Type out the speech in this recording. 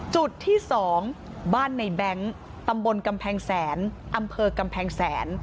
จุดที่๒บ้านในแบงค์ตำบลกำแพงแสนอำเภอกำแพงแสน